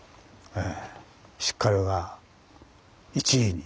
ええ。